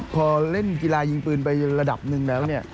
พอเล่นกีฬายิงปืนไประดับหนึ่งแล้วเนี่ย